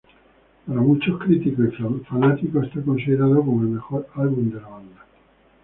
Para muchos críticos y fanáticos es considerado como el mejor álbum de la banda.